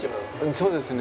そうですね。